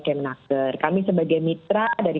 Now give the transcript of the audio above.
kemenaker kami sebagai mitra dari